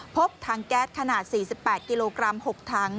พบถังแก๊สขนาด๔๘กิโลกรัม๖ถัง